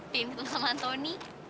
pihain ketemu sama antoni